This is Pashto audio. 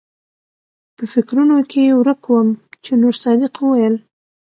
پۀ فکرونو کښې ورک ووم چې نورصادق وويل